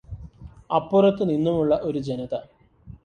അപ്പുറത്തു നിന്നുമുള്ള ഒരു ജനത